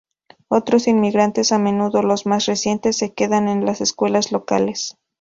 Otros inmigrantes, a menudo los más recientes, se quedan en las escuelas locales.